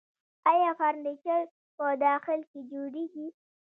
آیا فرنیچر په داخل کې جوړیږي؟